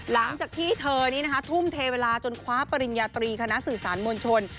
หลังจากที่เธอนี้นะคะทุ่มเทเวลาจนคว้าปริญญาตรีคณะสื่อสารมวลชน